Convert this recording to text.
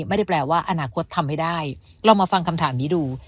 ไม่ได้แปลว่าอนาคตทำให้ได้ลองมาฟังคำถามนี้ดู